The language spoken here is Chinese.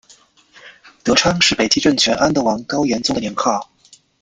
德昌是北齐政权安德王高延宗的年号。